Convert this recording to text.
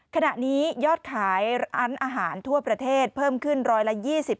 ขณะนี้ยอดขายร้านอาหารทั่วประเทศเพิ่มขึ้น๑๒๐